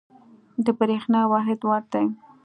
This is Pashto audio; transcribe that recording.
د برېښنا واحد وات دی.